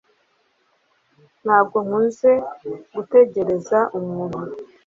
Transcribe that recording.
Ntabwo nkunze gutegereza umuntu